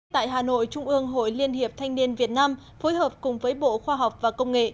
tại hà nội trung ương hội liên hiệp thanh niên việt nam phối hợp cùng với bộ khoa học và công nghệ